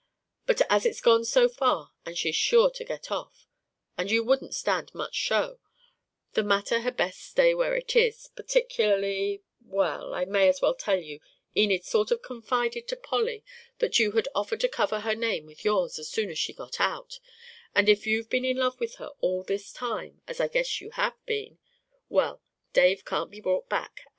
But as it's gone so far and she's sure to get off, and you wouldn't stand much show, the matter had best stay where it is; particularly well, I may as well tell you Enid sort of confided to Polly that you had offered to cover her name with yours as soon as she got out; and if you've been in love with her all this time, as I guess you have been well, Dave can't be brought back.